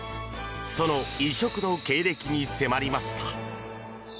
その異色の経歴に迫りました。